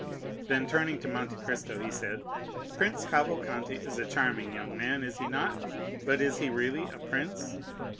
Then, turning to Monte Cristo, he said, "Prince Cavalcanti is a charming young man, is he not? But is he really a prince?"